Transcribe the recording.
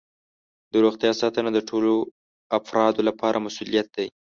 د روغتیا ساتنه د ټولو افرادو لپاره مسؤولیت دی.